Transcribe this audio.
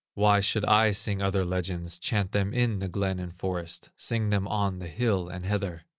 Why should I sing other legends, Chant them in the glen and forest, Sing them on the hill and heather?